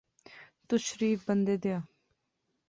تس شریف بندے دیا